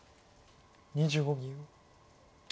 ２５秒。